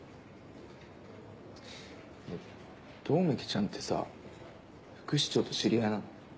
百目鬼ちゃんってさ副市長と知り合いなの？